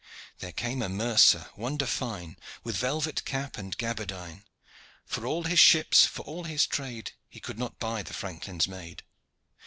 There came a mercer wonder fine With velvet cap and gaberdine; For all his ships, for all his trade He could not buy the franklin's maid.